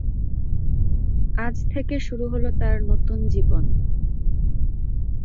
আজ থেকে শুরু হল তাঁর নতুন জীবন।